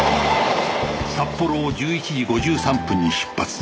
札幌を１１時５３分に出発